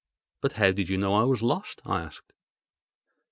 "But how did you know I was lost?" I asked.